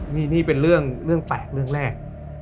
นี่เป็นเรื่องแปลกเรื่องแรก